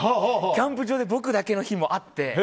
キャンプ場で僕だけの日があって。